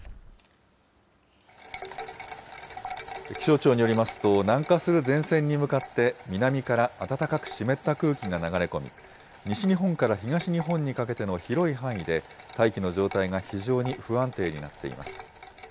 気象庁によりますと南下する前線に向かって、南から暖かく湿った空気が流れ込み、西日本から東日本にかけての広い範囲で大気の状態が非常に不安定になっています。